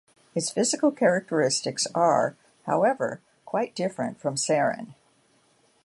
Its physical characteristics are, however, quite different from sarin.